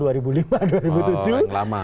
oh yang lama